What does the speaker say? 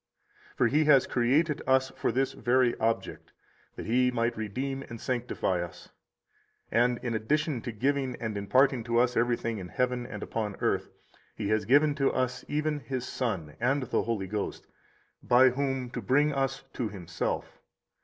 For He has created us for this very object, that He might redeem and sanctify us; and in addition to giving and imparting to us everything in heaven and upon earth, He has given to us even His Son and the Holy Ghost, by whom to bring us to Himself.